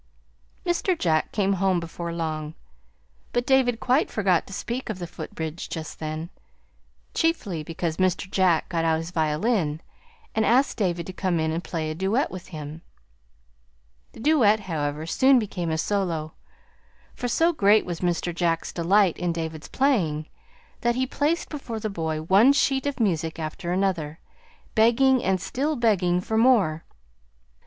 Mr. Jack came home before long, but David quite forgot to speak of the footbridge just then, chiefly because Mr. Jack got out his violin and asked David to come in and play a duet with him. The duet, however, soon became a solo, for so great was Mr. Jack's delight in David's playing that he placed before the boy one sheet of music after another, begging and still begging for more.